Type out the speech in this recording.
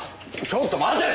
ちょっと待て！